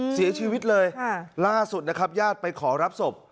เสียชีวิตเลยล่าสุดนะครับญาติไปขอรับศพ